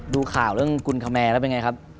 ดูข่าวเรื่องกุลคแมร์แล้วเป็นไงครับ